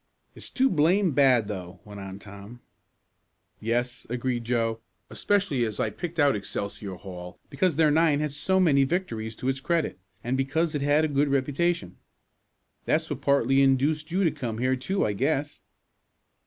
"It's too blamed bad though," went on Tom. "Yes," agreed Joe, "especially as I picked out Excelsior Hall because their nine had so many victories to its credit, and because it had a good reputation. That's what partly induced you to come here, too, I guess."